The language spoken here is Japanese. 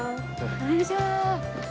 よいしょ。